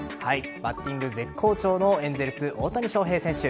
バッティング絶好調のエンゼルス・大谷翔平選手。